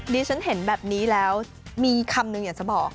ดิฉันเห็นแบบนี้แล้วมีคำหนึ่งอยากจะบอก